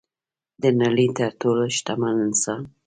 د نړۍ تر ټولو شتمن انسان